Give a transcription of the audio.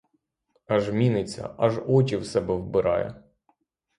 Аж міниться, аж очі в себе вбирає!